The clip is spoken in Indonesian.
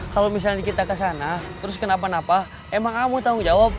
kalau misalnya kita kesana terus kenapa napa emang kamu tanggung jawab